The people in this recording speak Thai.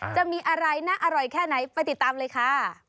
จะมีอะไรน่าอร่อยแค่ไหนไปติดตามเลยค่ะ